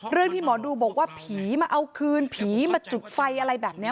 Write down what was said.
ที่หมอดูบอกว่าผีมาเอาคืนผีมาจุดไฟอะไรแบบนี้